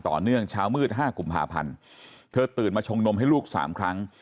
ต่อเนื่องเช้ามืด๕กุมภาพันธ์เธอตื่นมาชงนมให้ลูก๓ครั้ง